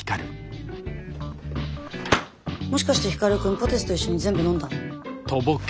もしかして光くんポテチと一緒に全部飲んだ？